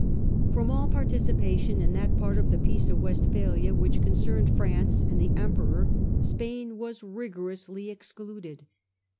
From all participation in that part of the Peace of Westphalia which concerned France and the Emperor Spain was rigorously excluded.